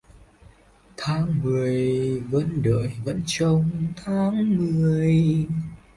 Tháng mười vẫn đợi vẫn trông tháng mười..